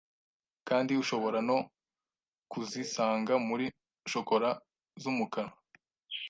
kandi ushobora no kuzisanga muri shokola z’umukara.